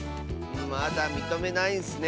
まだみとめないんッスね。